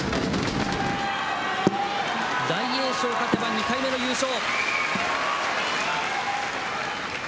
大栄翔、勝てば２回目の優勝。